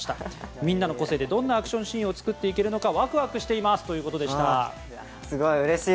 みんなの個性でどんなアクションシーンを作っていけるのかワクワクしていますということでした。